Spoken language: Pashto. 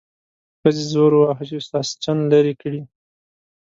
ښځې زور وواهه چې ساسچن لرې کړي.